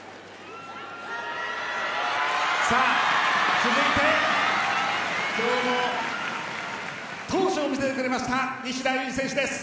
続いて今日も闘志を見せてくれました西田有志選手です。